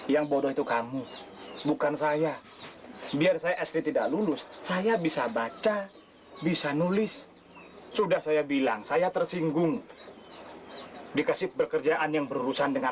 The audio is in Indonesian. yang bodoh itu kamu bukan saya biar saya sd tidak lulus saya bisa baca bisa nulis sudah saya bilang saya tersinggung dikasih pekerjaan yang berurusan dengan